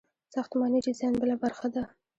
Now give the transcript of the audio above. ساختماني ډیزاین بله برخه ده.